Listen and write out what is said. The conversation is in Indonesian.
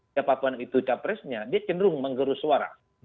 siapa pun itu cawapresnya dia cenderung menggeru suara